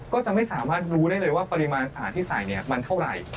ก็จะไม่สามารถรู้ได้เลยว่าปริมาณสารที่ใส่เนี่ยมันเท่าไหร่